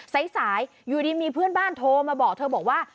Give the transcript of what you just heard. สายอยู่ดีมีเพื่อนบ้านโทรมาบอกเธอบอกว่า